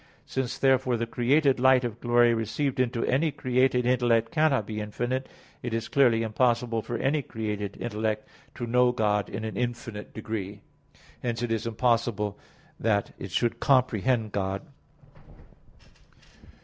Since therefore the created light of glory received into any created intellect cannot be infinite, it is clearly impossible for any created intellect to know God in an infinite degree. Hence it is impossible that it should comprehend God.